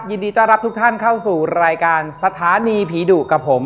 ยินดีต้อนรับทุกท่านเข้าสู่รายการสถานีผีดุกับผม